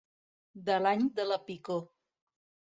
De l'any de la picor.